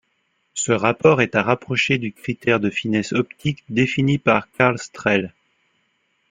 Ce rapport est à rapprocher du critère de finesse optique défini par Karl Strehl.